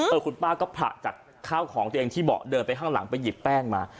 คุณป้าก็ผละจากข้าวของตัวเองที่เบาะเดินไปข้างหลังไปหยิบแป้งมา